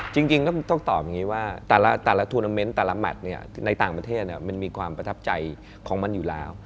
จริงก็ต้องตอบอย่างนี้ว่าแต่ละทวนาเมนต์แต่ละแมทในต่างประเทศมันมีความประทับใจของมันอยู่แล้ว